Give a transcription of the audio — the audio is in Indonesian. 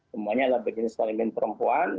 semuanya adalah berjenis kelamin perempuan